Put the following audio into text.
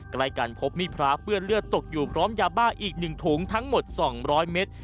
ใกล้กันพบมีดพระเปื้อนเลือดตกอยู่พร้อมยาบ้าอีก๑ถุงทั้งหมด๒๐๐เมตร